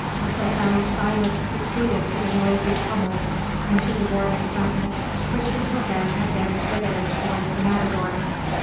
A profound silence succeeded to the noisy tumult, and to the warm excitement which until then had been exhibited towards the matador.